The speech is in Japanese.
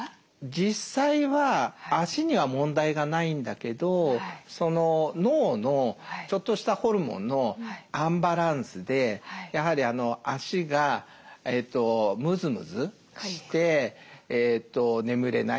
実際は脚には問題がないんだけど脳のちょっとしたホルモンのアンバランスでやはり脚がむずむずして眠れない。